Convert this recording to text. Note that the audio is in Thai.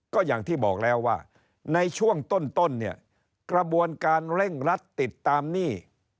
ก็อย่างที่บอกแล้วว่าในช่วงต้นเนี่ยกระบวนการเร่งรัดติดตามหนี้